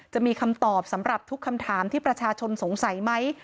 จะมีคำตอบสำหรับทุกคำถามที่ประชาชนสงสัยไหม